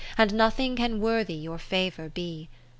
And nothing can worthy your favour be.